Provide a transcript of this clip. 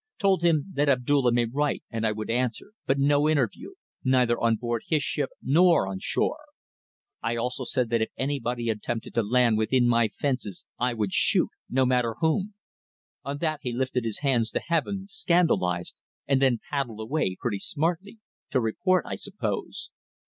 Told him that Abdulla may write and I would answer, but no interview, neither on board his ship nor on shore. I also said that if anybody attempted to land within my fences I would shoot no matter whom. On that he lifted his hands to heaven, scandalized, and then paddled away pretty smartly to report, I suppose.